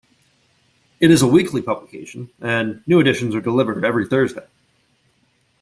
It is a weekly publication and new editions are delivered every Thursday.